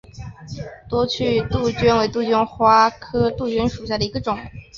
多趣杜鹃为杜鹃花科杜鹃属下的一个种。